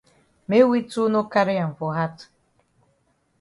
Make we too no carry am for hat.